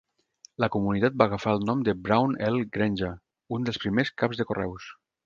La comunitat va agafar el nom de Brown L. Granger, un dels primers caps de correus.